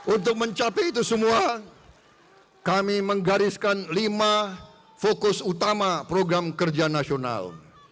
untuk mencapai itu semua kami menggariskan lima fokus utama program kerja nasional